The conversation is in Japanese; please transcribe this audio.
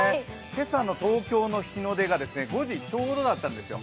今朝の東京の日の出が５時ちょうどだったんですよ。